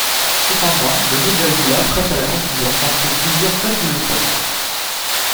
Cependant, le mot Baluba prête à la confusion parce que plusieurs peuples le portent.